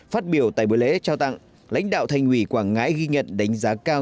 phát biểu tại buổi lễ trao tặng lãnh đạo thành ủy quảng ngãi ghi nhận đánh giá cao